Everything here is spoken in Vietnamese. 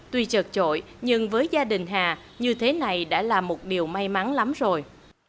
tuy chật trội nhưng với gia đình hà như thế này đã là một điều may mắn lắm rồi